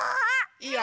いいよ。